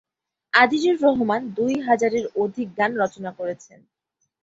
আজিজুর রহমান দুই হাজারের অধিক গান রচনা করেছেন।